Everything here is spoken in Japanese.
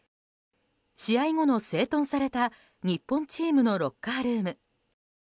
試合後の整頓された日本チームのロッカールーム。